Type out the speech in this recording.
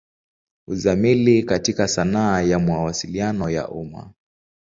Uzamili katika sanaa ya Mawasiliano ya umma.